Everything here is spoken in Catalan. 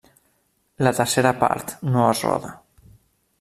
La tercera part no es roda.